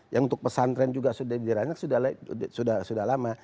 yang untuk pesantren juga sudah dirancang sudah lama